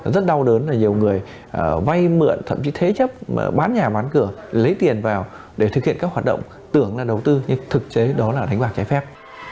rất đau đớn là nhiều người vay mượn thậm chí thế chấp bán nhà bán cửa lấy tiền vào để thực hiện các hoạt động tưởng là đầu tư nhưng thực chế đó là đánh bạc trái phép